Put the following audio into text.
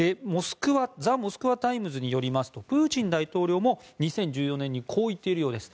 ザ・モスクワ・タイムズによりますとプーチン大統領も２０１４年にこう言っているようです。